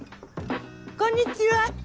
こんにちは！